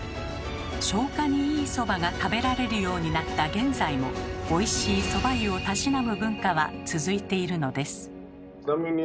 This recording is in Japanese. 消化にいいそばが食べられるようになった現在もおいしいそば湯をたしなむ文化は続いているのです。